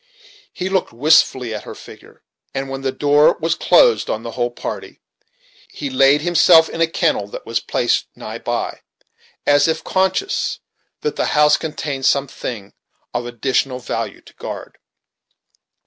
He looked wistfully after her figure, and when the door closed on the whole party, he laid himself in a kennel that was placed nigh by, as if conscious that the house contained some thing of additional value to guard.